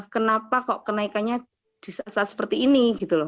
kenapa kok kenaikannya saat seperti ini